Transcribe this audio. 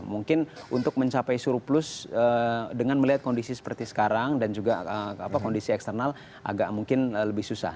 mungkin untuk mencapai surplus dengan melihat kondisi seperti sekarang dan juga kondisi eksternal agak mungkin lebih susah